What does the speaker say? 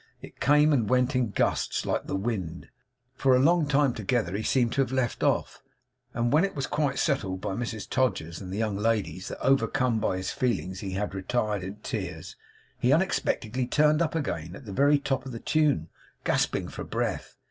It came and went in gusts, like the wind. For a long time together he seemed to have left off, and when it was quite settled by Mrs Todgers and the young ladies that, overcome by his feelings, he had retired in tears, he unexpectedly turned up again at the very top of the tune, gasping for breath.